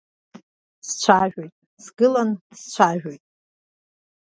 Сцәажәоит, сгыланы сцәажәоит.